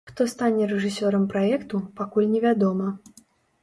Хто стане рэжысёрам праекту, пакуль не вядома.